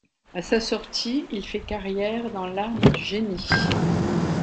A sa sortie, il fait carrière dans l'arme du Génie.